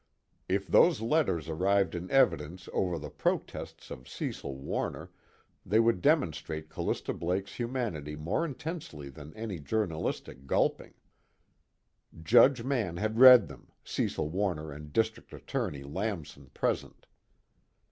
If those letters arrived in evidence over the protests of Cecil Warner, they would demonstrate Callista Blake's humanity more intensely than any journalistic gulping. Judge Mann had read them, Cecil Warner and District Attorney Lamson present.